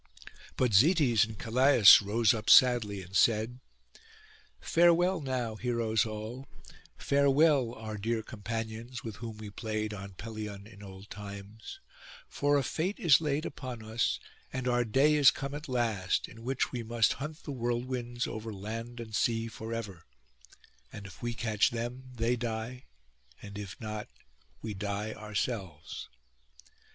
But Zetes and Calais rose up sadly and said, 'Farewell now, heroes all; farewell, our dear companions, with whom we played on Pelion in old times; for a fate is laid upon us, and our day is come at last, in which we must hunt the whirlwinds over land and sea for ever; and if we catch them they die, and if not, we die ourselves.